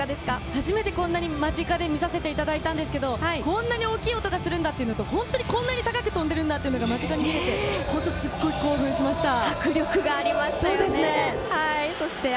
初めて間近で見させていただいたんですけど、こんなに大きい音がするんだっていうのと、こんなに高く飛んでるのが間近で見られて、すごく興奮しました。